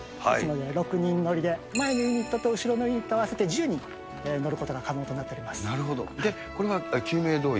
６人乗りで、前のユニットと後ろのユニット合わせて１０人、乗ることが可能となるほど、これは救命胴衣？